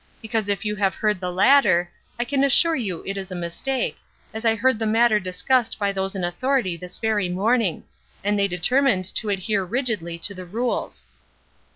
Because if you have heard the latter, I can assure you it is a mistake, as I heard the matter discussed by those in authority this very morning; and they determined to adhere rigidly to the rules."